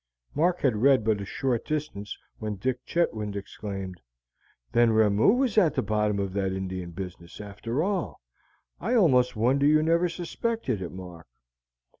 Mark had read but a short distance when Dick Chetwynd exclaimed: "Then Ramoo was at the bottom of that Indian business, after all. I almost wonder you never suspected it, Mark."